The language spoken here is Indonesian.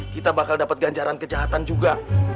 kita bakal dapat ganjaran kejahatan juga